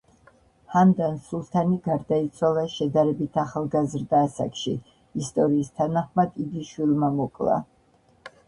ჰანდან სულთანი გარდაიცვალა შედარებით ახალგაზრდა ასაკში, ისტორიის თანახმად იგი შვილმა მოკლა.